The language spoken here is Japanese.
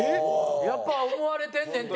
やっぱ思われてんねんって。